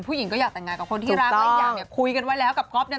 ผู้หญิงก็อยากแต่งงานกับคนที่รักหลายอย่างเนี่ยคุยกันไว้แล้วกับก๊อฟเนี่ย